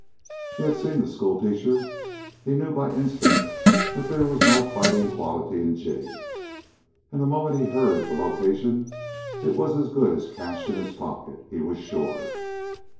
He had seen the schoolteacher. He knew by instinct that there was no fighting quality in Jig. And the moment he heard the location it was as good as cash in his pocket, he was sure.